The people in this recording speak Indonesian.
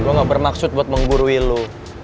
gue gak bermaksud buat menggurui lu